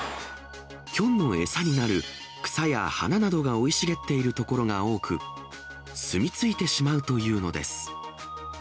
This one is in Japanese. キョンの餌になる草や花などが生い茂っている所が多く、住み着いてしまうというのです。